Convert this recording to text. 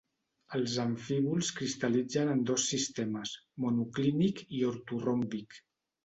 Els amfíbols cristal·litzen en dos sistemes: monoclínic i ortoròmbic.